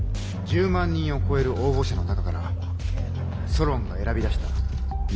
１０万人を超える応募者の中からソロンが選び出した４人です。